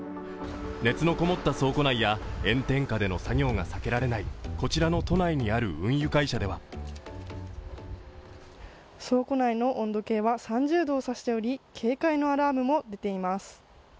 熱のこもった倉庫内や、炎天下での作業が避けられないこちらの都内にある運輸会社では倉庫内の温度計は３０度を指しており警戒のアラームも出ています。